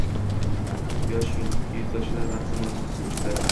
Yosh dzyudochilar bahsi murosasiz o‘tdi